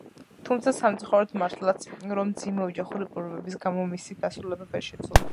თუმცა სამწუხაროდ მართლაც, რომ მძიმე ოჯახური პირობების გამო, მისი დასრულება ვერ შესძლო.